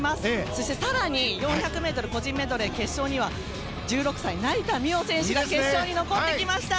そして、更に４００ｍ個人メドレー決勝には１６歳、成田実生選手が決勝に残ってきました。